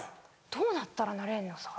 どうなったらなれるのさ。